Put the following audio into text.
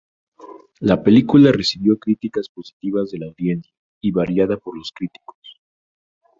La película recibió críticas positivas de la audiencia, y variada por los críticos.